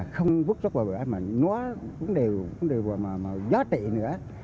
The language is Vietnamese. không vứt tốc thả mà nó cũng đều gió trị nữa